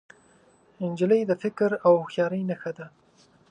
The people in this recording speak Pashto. نجلۍ د فکر او هوښیارۍ نښه ده.